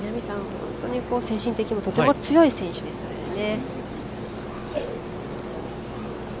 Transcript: ほんとに精神的にとても強い選手ですからね。